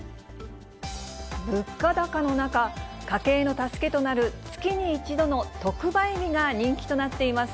物価高の中、家計の助けとなる月に１度の特売日が人気となっています。